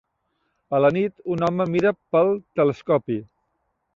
A la nit, un home mira pel telescopi.